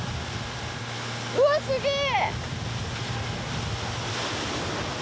うわっすげえ！